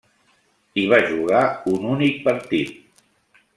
Hi va jugar un únic partit.